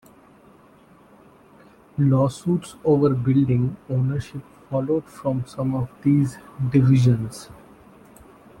Lawsuits over building ownership followed from some of these divisions.